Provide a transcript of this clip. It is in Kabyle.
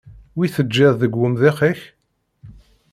Wi teǧǧiḍ deg wemḍiq-ik?